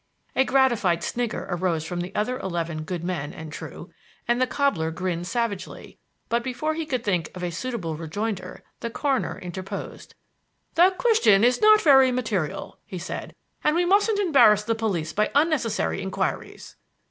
A gratified snigger arose from the other eleven good men and true, and the cobbler grinned savagely; but before he could think of a suitable rejoinder the coroner interposed. "The question is not very material," he said, "and we mustn't embarrass the police by unnecessary inquiries."